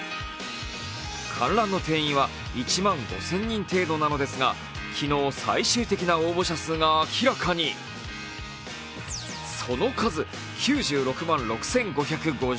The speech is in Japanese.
観覧の定員は１万５０００人程度なのですが昨日、最終的な応募者数が明らかにその数９６万６５５５人。